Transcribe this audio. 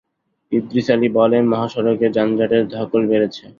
ইদ্রিস আলী বলেন, মহাসড়কে যানজটের ধকল বেড়েছে।